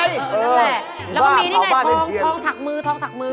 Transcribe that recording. นั่นแหละแล้วก็มีนี่ไงทองทองถักมือทองถักมือ